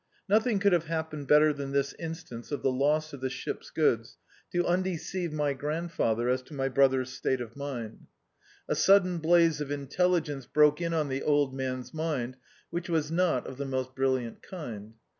Nothing could have happened better than this instance of the loss of the ship's goods to undeceive my grandfather as to my brother's state of mind. [•31 D,i.,.db, Google The Autobiography of a Super Tramp A sudden blaze of intelligence broke in on the old man's mind, which was not of the most brilliant kind.